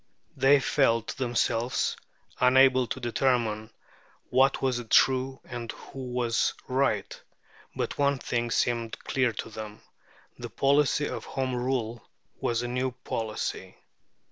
They felt themselves unable to determine what was true and who was right. But one thing seemed clear to them. The policy of Home Rule was a new policy.